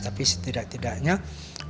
tapi setidak tidaknya komunikasi